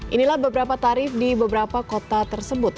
inilah beberapa tarif di beberapa kota tersebut